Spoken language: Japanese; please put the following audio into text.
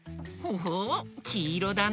ほほうきいろだね。